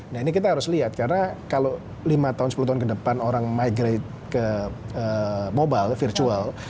nah ini kita harus lihat karena kalau lima tahun sepuluh tahun ke depan orang migrade ke mobile virtual